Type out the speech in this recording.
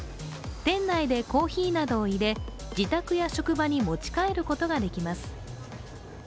店内でコーヒーなどを入れ自宅や職場に持ち帰ることができます。